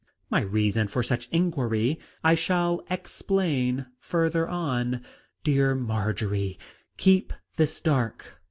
My reason for such inquiry I shall explain further on. Dear Marjory, keep this dark.